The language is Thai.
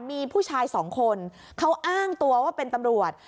มีผู้ชายสองคนเขาอ้างตัวว่าเป็นตำรวจ